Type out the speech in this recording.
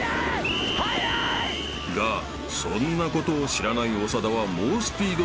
・［がそんなことを知らない長田は猛スピードでゴールへ］